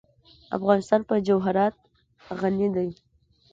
افغانستان په جواهرات غني دی.